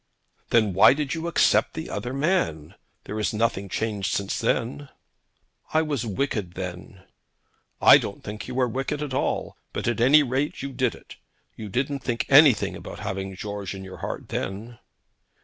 'Then why did you accept the other man? There is nothing changed since then.' 'I was wicked then.' 'I don't think you were wicked at all; but at any rate you did it. You didn't think anything about having George in your heart then.'